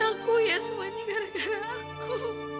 maafin aku ya semua ini gara gara aku